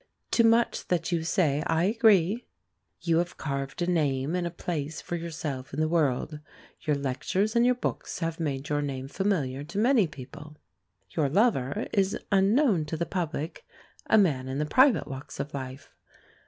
To much that you say I agree. You have carved a name and a place for yourself in the world. Your lectures, and your books, have made your name familiar to many people. Your lover is unknown to the public, a man in the private walks of life.